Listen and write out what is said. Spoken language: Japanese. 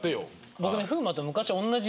僕ね。